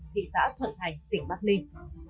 thị xã thuận hành tỉnh bắc ninh